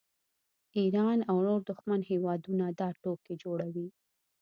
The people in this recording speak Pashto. ایران او نور دښمن هیوادونه دا ټوکې جوړوي